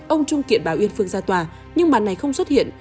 ông trung kiện bà uyên phương ra tòa nhưng mà này không xuất hiện